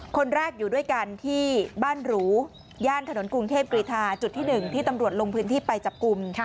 คนแรกอยู่ด้วยกันที่บ้านหรูย่านถนนกรุงเทพกรีธาจุดที่๑ที่ตำรวจลงพื้นที่ไปจับกลุ่ม